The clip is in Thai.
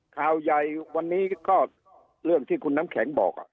ข่าวใหญ่วันนี้ก็เรื่องที่คุณน้ำแข็งบอก